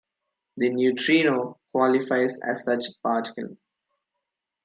The neutrino qualifies as such particle.